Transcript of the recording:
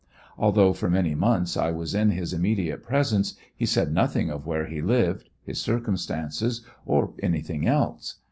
Although for many months I was in his immediate presence, he said nothing of where he lived, his circumstances, or anything else.